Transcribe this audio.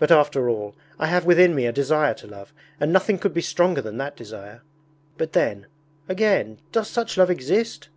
But after all, I have within me a desire to love, and nothing could be stronger than that desire! But then, again, does such love exist?